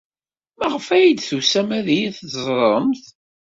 Maɣef ay d-tusamt ad iyi-teẓremt?